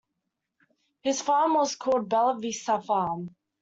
His farm was called 'Bella Vista Farm'.